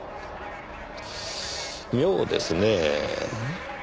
妙ですねぇ。